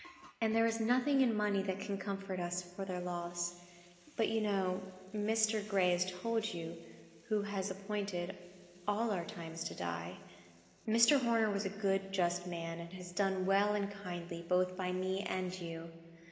and there is nothing in money that can comfort us for their loss. But you know—Mr. Gray has told you—who has appointed all our times to die. Mr. Horner was a good, just man; and has done well and kindly, both by me and you.